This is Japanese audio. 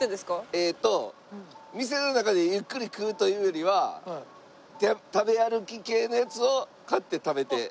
えーっと店の中でゆっくり食うというよりは食べ歩き系のやつを買って食べて。